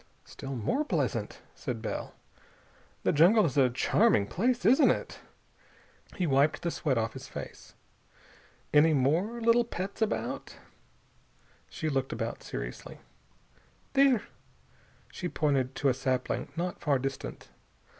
"Still more pleasant," said Bell. "The jungle is a charming place, isn't it?" He wiped the sweat off his face. "Any more little pets about?" She looked about seriously. "There." She pointed to a sapling not far distant.